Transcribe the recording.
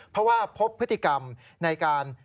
เพราะว่าพบพฤติกรรมในการ